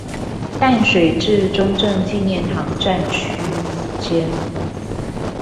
淡水至中正紀念堂站區間